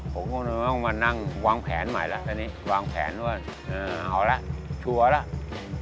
ผมก็มานั่งวางแผนใหม่แล้ววางแผนว่าเอาแล้วชัวร์แล้ว